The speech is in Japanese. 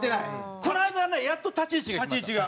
この間ねやっと立ち位置が決まった。